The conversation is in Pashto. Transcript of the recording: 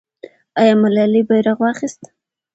آیا ملالۍ بیرغ واخیست؟